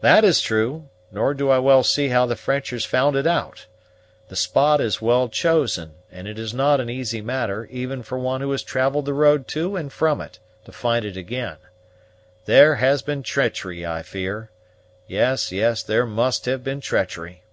"That is true; nor do I well see how the Frenchers found it out. The spot is well chosen, and it is not an easy matter, even for one who has travelled the road to and from it, to find it again. There has been treachery, I fear; yes, yes, there must have been treachery."